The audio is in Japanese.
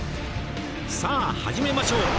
さあ始めましょう！